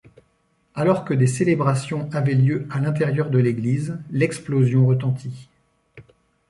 Alors que des célébrations avaient lieu à l'intérieur de l'église, l'explosion retentit.